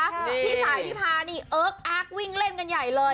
พี่สายพี่พานี่เอิ๊กอาร์กวิ่งเล่นกันใหญ่เลย